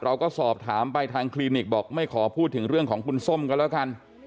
เราก็สอบถามไปทางคลินิกบอกไม่ขอพูดถึงเรื่องของคุณส้มกันแล้วกัน